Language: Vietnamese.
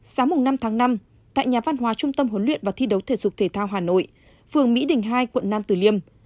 sáng năm tháng năm tại nhà văn hóa trung tâm huấn luyện và thi đấu thể dục thể thao hà nội phường mỹ đình hai quận nam tử liêm